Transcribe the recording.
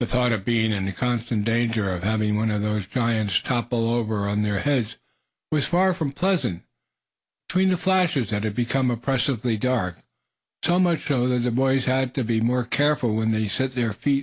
The thought of being in constant danger of having one of those giants topple over upon their heads, was far from pleasant. Between the flashes it had become oppressively dark, so much so that the boys had to be more careful where they set their feet.